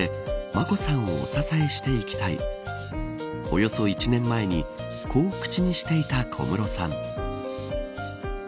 およそ１年前にこう口にしていた小室さん。